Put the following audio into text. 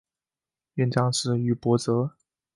院长是于博泽。